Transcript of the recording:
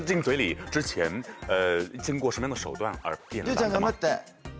劉ちゃん頑張って。